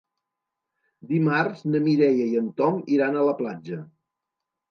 Dimarts na Mireia i en Tom iran a la platja.